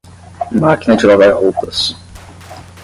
Máquina de lavar roupas.